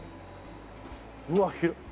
うわっ広っ。